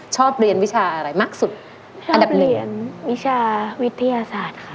ชอบเรียนวิชาอะไรมากสุดอันดับเรียนวิชาวิทยาศาสตร์ค่ะ